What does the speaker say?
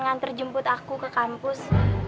ngantar jemput aku ke kampus